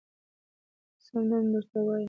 سم دم درته وايم